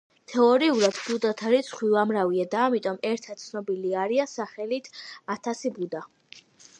თეორიულად, ბუდათა რიცხვი უამრავია და ამიტომ ერთად ცნობილი არიან სახელით „ათასი ბუდა“.